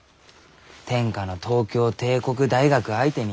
天下の東京帝国大学相手に。